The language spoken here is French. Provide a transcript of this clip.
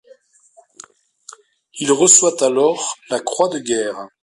Il reçoit alors la Croix de guerre.